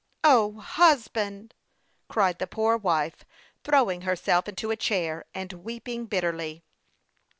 " O, husband !" cried the poor wife, throwing her self into a chair and weeping bitterly.